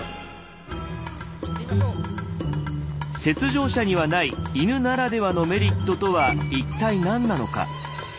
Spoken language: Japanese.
雪上車にはない犬ならではのメリットとは一体何なのか。